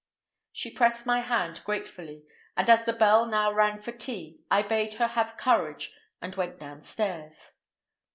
She pressed my hand gratefully, and as the bell now rang for tea, I bade her have courage and went downstairs.